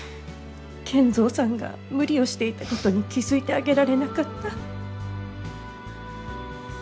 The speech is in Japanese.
賢三さんが無理をしていたことに気付いてあげられなかった。